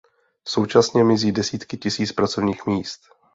Současně mizí desítky tisíc pracovních míst.